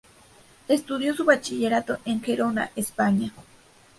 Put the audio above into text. Estudió su bachillerato en Gerona, España.